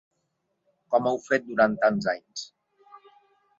Com heu fet durant tants anys.